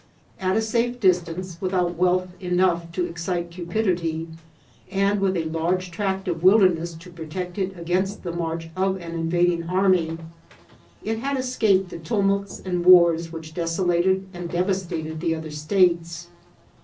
At a safe distance, without wealth enough to excite cupidity, and with a large tract of wilderness to protect it against the march of an invading army, it had escaped the tumults and wars which desolated and devastated the other states.